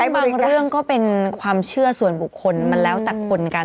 บางเรื่องก็เป็นความเชื่อส่วนบุคคลมันแล้วแต่คนกัน